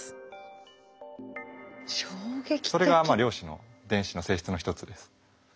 それが量子の電子の性質の一つです。